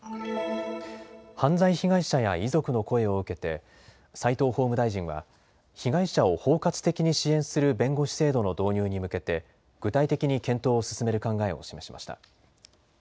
犯罪被害者や遺族の声を受けて齋藤法務大臣は被害者を包括的に支援する弁護士制度の導入に向けて具体的に検討を進める考えを示しました。